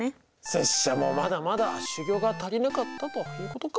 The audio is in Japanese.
拙者もまだまだ修業が足りなかったということか。